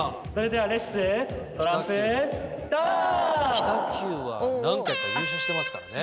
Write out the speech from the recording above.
北九は何回か優勝してますからね。